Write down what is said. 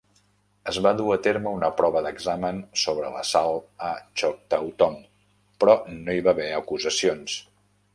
Es va dur a terme una prova d'examen sobre l'assalt a Choctaw Tom, però no hi va haver acusacions.